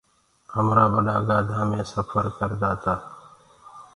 همرآ ٻڏآ گاڌآ مي سڦر ڪردآ تا۔